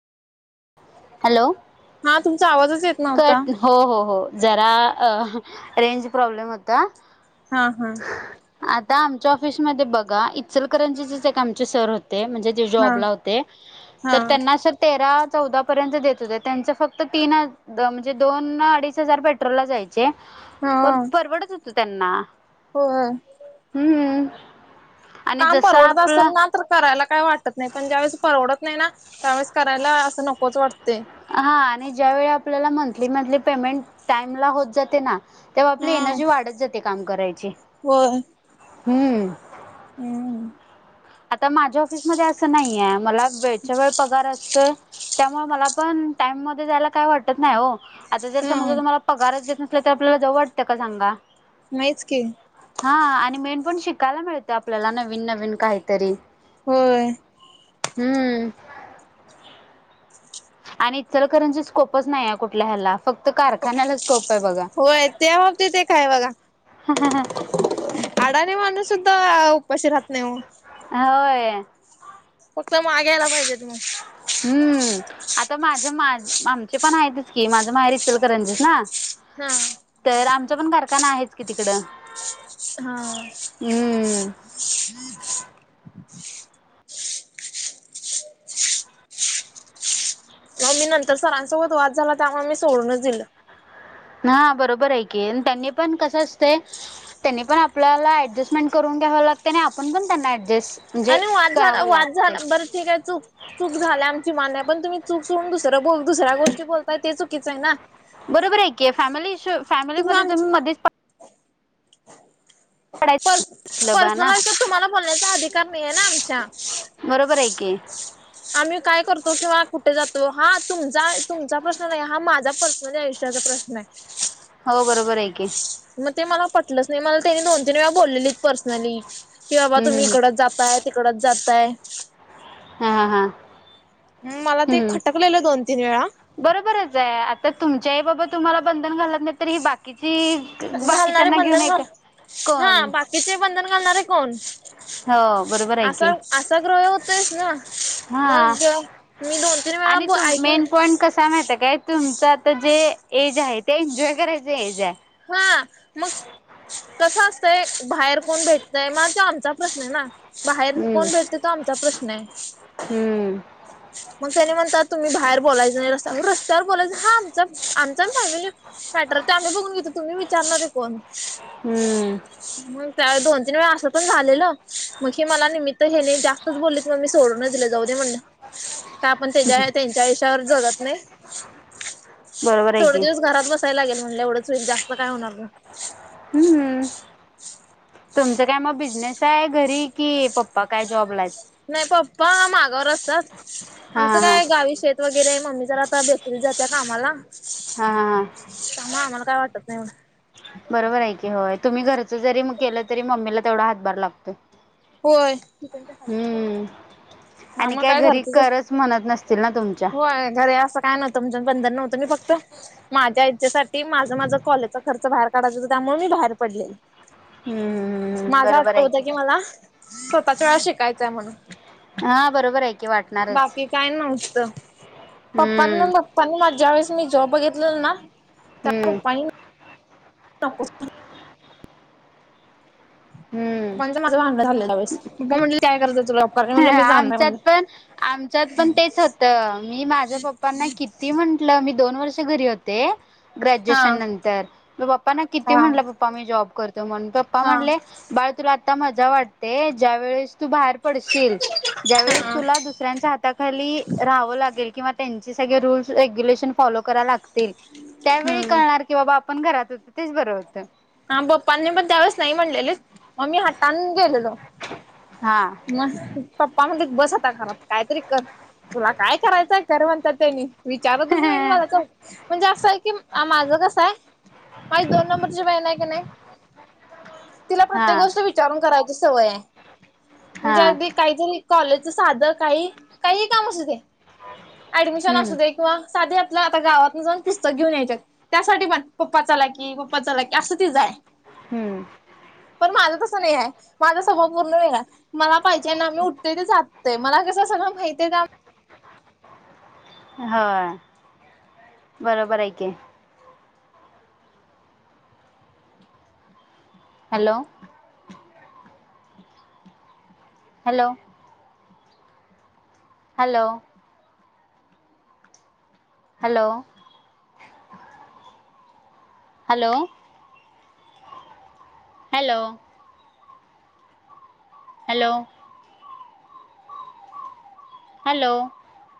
Hello. हा तुमचा आवाजच येत नव्हता कट हो हो हो जरा अ रेंज प्रॉब्लेम होता. हा हा. आता आमच्या ऑफिसमध्ये बघा, इचलकरंजीचेच एक आमचे सर होते म्हणजे ते हा जॉबला होते हा तर त्यांना अशा तेरा चौदा पर्यंत देत होते त्यांचं फक्त तीन हजा द म्हणजे दोन अडीच हजार पेट्रोलला जाईल. हे? हा पण परवडत होत त्यांना, होय हम्म. आणि काम जस परवडत आपला असंन सांग? तर करायला काही वाटत नाही, पण ज्यावेेळेस परवडत नाही ना! त्यावेळेस करायला असं नकोच वाटतय. हा आणि ज्या वळी आपल्याला मंथली, मंथली पेमेंट टाइम ला होत जाते ना? तेव्हा आपली हम्म एनर्जी वाढत जाते काम करायची, हम्म. हम. आता माझ्या ऑफिसमध्ये असं नाहीये मला वेळच्या वेळ पगार असतोय, त्यामुळे मला पण टाइम मध्ये द्यायला काय वाटत नाही हो. आता जर समजा हम्म तुम्हाला पगारच येत नसल तर आपल्याला जाऊ वाटतय का सांगा? नाहीच की. हा, आणि मेन पण शिकायला मिळत आपल्याला नवीन नवीन काहीतरी होय. हम्म. आणि इचलकरंजीस स्कोपच नाही आहे कुठल्या ह्याला फक्त कारखान्याला स्कोप आहे बघा होय, त्या बाबती एक हाय बघा. अडाणी माणूस सुद्धा उपाशी राहत नाही ओ. ह होय. फक्त माग यायला पाहिजेत ना. हम्म. आता माझ्या माझ आमची पण आहेतच की, माझ माहेर इचलकरंजी च ना? हम्म. तर आमचा पण कारखाना आहेच की तिकडं. [inaudible] हा. हम् नाही मी नंतर सरांसोबत वाद झाला, त्यामुळं मी सोडूनच दिलं. हा बरोबर हाय की त्यांनी पण कसं असतय? त्यांनी पण आपल्याला ऍडजस्टमेंट करून घ्याव लागतंय, आणि आपण पण त्यांना ऍडजस्ट आणि वाद झाला, वाद झाला. बरं ते काय चूक चूक झाल्या आमची मान्य आहे. पण तुम्ही चूक सोडून, दुसरं बोल, दुसऱ्या गोष्टी बोलताय ते चुकीचं आहे ना. बरोबर आहे की. फॅमिली इशू, फॅमिलीमध्ये तुम्ही मध्येच पड पडायचं प बा पर्सनल ना लाइफ च्या तुम्हाला बोलण्याचा अधिकार नाहीये ना आमच्या. बरोबर आहे की. आम्ही काय करतो, किंवा कुठे जातो? हा तुमचा तुमचा प्रश्न नाहीये. हा माझा पर्सनली आयुष चा प्रश्न आहे. [inaudible] हो बरोबर आहे की. मग ते मला पटलंच नाही. मला त्यांनी दोन तीन वेळा बोललेले पर्सनली. कि बाबा हं, हं, तुम्ही हं. इकडंच जाताय तिकडंच जाताय. हा हा हा. मला ते खटकलेलं दोन तीन वेळा. बरोबरच आहे. आता तुमचे आई बाबा तुम्हाला बंधन घालत नाही, तर हे बाकी की जे बाकीचे, बाकीच्याना घेऊन एक [inaudible] कोण? इथे बंधन घालणारे कोण? हो. बरोबर आहे की असा असा ग्रह होतोयच ना. मग हां गं मी दोन तीन वेळा आणि बो तु ऐकून मेन पॉईंट कसा हाय माहित हाय काय? तुमचं आता जे एज आहे, ते एन्जॉय करायच एज आहे. हा मग? कसं असतय बाहेर कोण भेटतय. मग तो आमचा प्रश्नयं ना. बाहेर हम्म कोण भेटत तो आमचा प्रश्न आहे. हम्म [inaudible] मग त्यांनी म्हणतात तुम्ही बाहेर बोलायचं नाही. रस्त्यावर बोलायच हा आमचा, आमचा फॅमिली मॅटर चे आमी बघून घेतो, तुम्ही विचारणारे कोण? हम्म [inaudible] मग त्यावेळस दोन तीन वेळा असं पण झालेलं, मग हे मला निमित्त हे लयं जास्तच बोलले मग मी सोडूनच दिलं जाऊ दे म्हणल. काय आपण त्याच्या, त्यांच्या आयुष्यावर जगत नाही. बरोबर आहे थोडे की दिवस घरात बसायला लागेल म्हणलं, एवढंच होइल जास्त काय होणार नाय. हम्म. तुमचं काय मग बिझनेस आहे घरी की? पप्पा काय जॉब ला हायत? नाही पप्पा मागावर असतात. हा आमचं हा काय गावी शेत त वगैरे आहे. मम्मी जरा आता बेकरीत जात्या कामाला. हा. त्यामुळं आम्हाला काय वाटत नाही एवढं. बरोबर आहे की, होय. तुम्ही घरच मग जरी केलं तरी, मम्मीला तेवढा हातभार लागतोय. होय. किचनच्या खाली हम्म काय आणि मग काय घरी झाडती ग? करच म्हणत नसतील ना तुमच्या [inaudible] होय. घर असं काय नस तुमचं बंधन नव्हतं न फक्त. माझ्या इच्छेसाठी माझा माझा कॉलेजचा खर्च बाहेर काढायचा होता त्यामुळे मी बाहेर पडलेले. हम्म माझा बरोबर हट्ट आहे होता की, मला स्वतःच्या शिकायचंय म्हणून. हा बरोबर आहे. की वाटणारच बाकी काय नव्हतं पप्पांना हम्म मग पण मग ज्या वेळीस मी जॉब बघितलेला ना त्या हम्म. पप्पांनी [inaudible] हम्म पप्पांच माझ भांडण झालेल त्यावेळेस पप्पा म्हटले काय गरज आहे तुला? करायला म्हटलं मी जाणार आमच्यात म्हणलं पण आमच्यात पण तेच होत. मी माझ्या पप्पांना कि ती म्हंटलं मी दोन वर्ष घरी होते हा ग्रॅज्युएशन नंतर. मी पप्प प्पाना किती हा म्हटलं पप्पा मी जॉब करतो म्हणुन पप्पा हा म्हटले बाळ तुला आत्ता मजा वाटते. ज्या वेळेस तू बाहेर पडशील ज्यावेेळेस हा तुला दुसऱ्यांच्या हाताखाली राहावं लागेल किंवा त्यां त्यांची सगळे रूल्स रेग्युलेशन फॉलो कराय लागतील त्यावेळी हा कळणार कि बाबा आपण घरात होतो तेच बरं होतं. हा पप्पांनी पण त्यावेळेस नाही म्हणलेलीत, मग मी हट्टान गेलेलो. हा. मग पप्पा म्हणत्यात बस आता घरात कायतरी कर. तुला काय करायचंय करं म्हणत्यात तेनी. विचारतच नाहीत मला चौकशी म्हणजे असं आहे की, माझं कसं आहे. माझी दोन नंबरची बहिण आहे की नाही तिला प्रत्येक हा गोष्ट विचारून करायची सवय आहे. हा म्हणजे अगदी काहीतरी कॉलेजच साधं काही काहीहि काम असुदे ऍडमिशन हम्म असूदे किंवा साधे आपलं आता गावातन जाऊन पुस्तक घेऊन यायच्या आहेत. त्यासाठी पण पप्पा चला कि पप्पा चला की असं तीच आहे. हम्म पण माझं तसं नाही आहे. माझा स्वभाव पूर्ण वेगळा आहे. मला पाहिजे ना मी उठतोय ते जातोय मला कसं सगळं माहितीये त्या होय. बरोबर आहे की. Hello hello hello hello hello hello hello hello